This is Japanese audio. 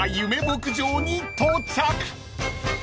牧場に到着］